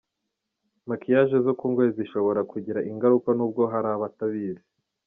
’Makiyaje’ zo ku ngohe zishobora kugira ingaruka nubwo hari abatabizi